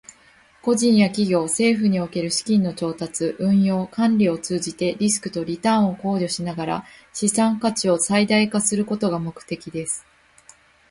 個人や企業、政府における資金の調達、運用、管理を通じて、リスクとリターンを考慮しながら資産価値を最大化することが目的です。